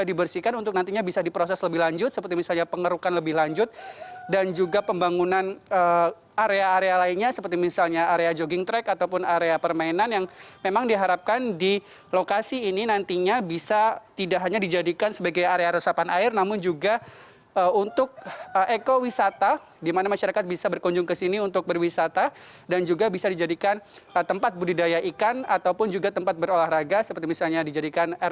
juga dibersihkan untuk nantinya bisa diproses lebih lanjut seperti misalnya pengerukan lebih lanjut dan juga pembangunan area area lainnya seperti misalnya area jogging track ataupun area permainan yang memang diharapkan di lokasi ini nantinya bisa tidak hanya dijadikan sebagai area resapan air namun juga untuk ekowisata di mana masyarakat bisa berkunjung ke sini untuk berwisata dan juga bisa dijadikan tempat budidaya ikan ataupun juga tempat berolahraga seperti misalnya dijadikan air petra